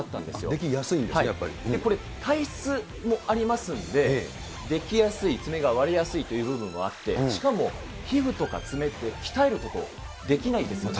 出来やすいんですね、やっぱこれ、体質もありますんで、出来やすい、爪が割れやすいという部分もあって、しかも皮膚とか爪って鍛えること、できないですよね。